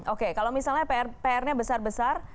oke kalau misalnya pr nya besar besar